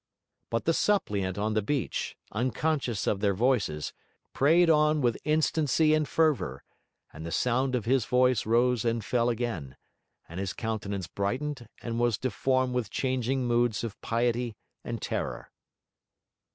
But the suppliant on the beach, unconscious of their voices, prayed on with instancy and fervour, and the sound of his voice rose and fell again, and his countenance brightened and was deformed with changing moods of piety and terror.